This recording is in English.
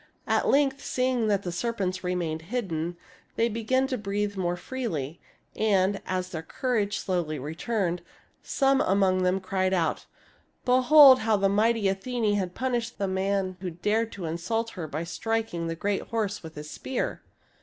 At length, seeing that the serpents remained hidden, they began to breathe more freely ; and, as their courage slowly returned, some among them cried out, " Behold how the mighty Athene has punished the man who dared to insult her by striking the great horse with his spear